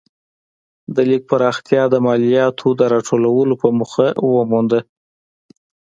د لیک پراختیا د مالیاتو د راټولولو په موخه ومونده.